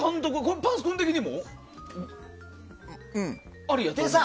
パース君的にも？